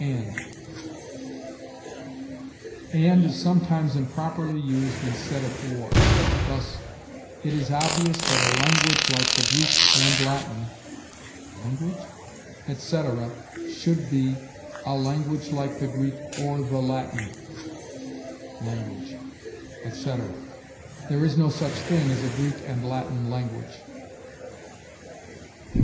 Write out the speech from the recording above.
And is sometimes improperly used instead of or; thus, "It is obvious that a language like the Greek and Latin" (language?), etc., should be, "a language like the Greek or the Latin" (language), etc. There is no such thing as a Greek and Latin language.